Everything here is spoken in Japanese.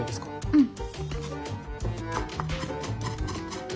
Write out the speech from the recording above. うん。